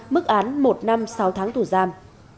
mức án một năm sáu tháng thủ giam